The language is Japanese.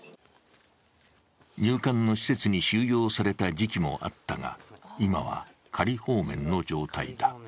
入管の施設に収容された時期もあったが、今は仮放免の状態だ。